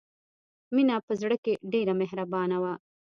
مینه په زړه کې ډېره مهربانه وه